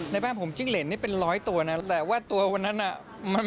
ในบ้านผมจิ้งเหรนนี่เป็นร้อยตัวนะแต่ว่าตัววันนั้นน่ะ